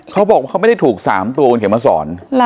เขาบอกว่าเขาไม่ได้ถูก๓ตัวคุณเขียนมาสอน